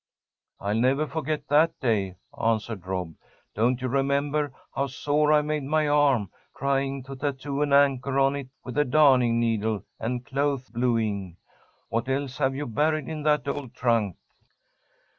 "I'll never forget that day," answered Rob. "Don't you remember how sore I made my arm, trying to tattoo an anchor on it with a darning needle and clothes bluing? What else have you buried in that old trunk?"